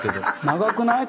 長くない？